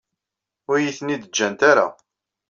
Ur iyi-ten-id-ǧǧant ara.